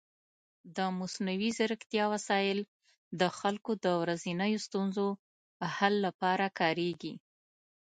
د مصنوعي ځیرکتیا وسایل د خلکو د ورځنیو ستونزو حل لپاره کارېږي.